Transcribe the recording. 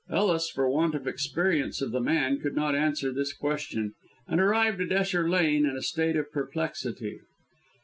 Ellis, for want of experience of the man, could not answer this question, and arrived at Esher Lane in a state of perplexity.